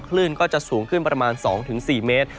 คลื่นก็จะสูงขึ้นประมาณ๒๔เมตร